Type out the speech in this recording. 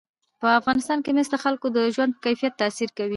په افغانستان کې مس د خلکو د ژوند په کیفیت تاثیر کوي.